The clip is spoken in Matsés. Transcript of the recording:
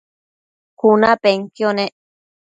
cunapenquio nec